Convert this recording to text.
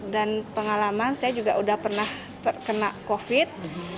pengalaman saya juga sudah pernah terkena covid